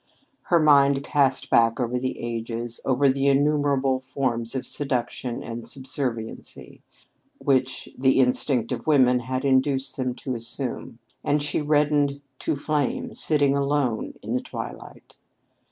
Her mind cast back over the ages over the innumerable forms of seduction and subserviency which the instinct of women had induced them to assume, and she reddened to flame sitting alone in the twilight.